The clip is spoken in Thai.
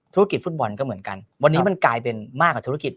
ธุรกิจฟุตบอลก็เหมือนกันวันนี้มันกลายเป็นมากกว่าธุรกิจ